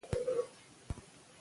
سیاسي ثبات ګډ مسوولیت دی